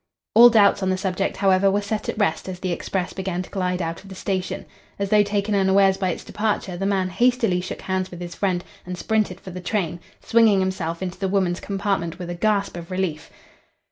All doubts on the subject, however, were set at rest as the express began to glide out of the station. As though taken unawares by its departure, the man hastily shook hands with his friend and sprinted for the train, swinging himself into the woman's compartment with a gasp of relief.